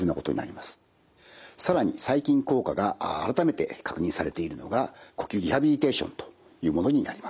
更に最近効果が改めて確認されているのが呼吸リハビリテーションというものになります。